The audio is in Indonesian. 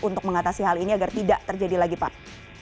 untuk mengatasi hal ini agar tidak terjadi lagi pak